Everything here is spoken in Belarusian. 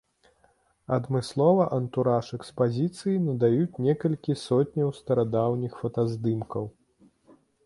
Адмысловы антураж экспазіцыі надаюць некалькі сотняў старадаўніх фотаздымкаў.